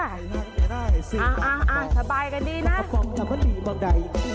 อ่าอ่าอ่าสบายกันดีนะ